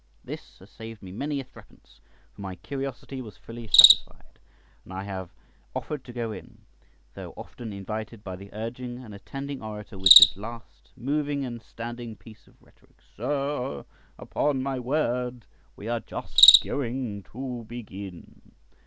This has saved me many a threepence, for my curiosity was fully satisfied, and I never offered to go in, though often invited by the urging and attending orator with his last moving and standing piece of rhetoric, "Sir, upon my word, we are just going to begin."